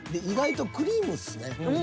意外とクリームっすね。